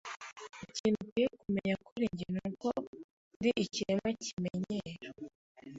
Ikintu ukwiye kumenya kuri njye nuko ndi ikiremwa kimenyero.